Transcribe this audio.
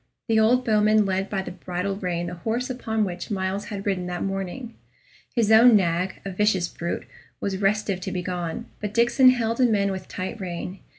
The old bowman led by the bridle rein the horse upon which Myles had ridden that morning. His own nag, a vicious brute, was restive to be gone, but Diccon held him in with tight rein.